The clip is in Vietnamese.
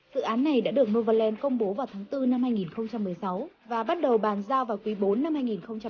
dự án này đã được novaland công bố vào tháng bốn hai nghìn một mươi sáu và bắt đầu bàn giao vào quý bốn hai nghìn một mươi tám